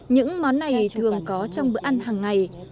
những món này thường có trong bữa ăn hàng ngày